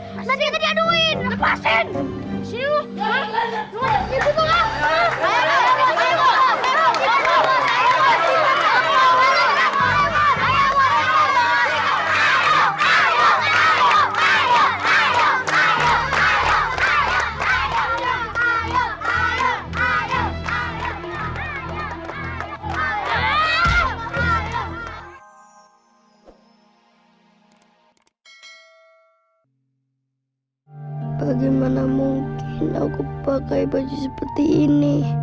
bagaimana mungkin aku pakai baju seperti ini